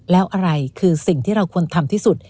แล้วอะไรคือสิ่งที่เราควรทำที่สุด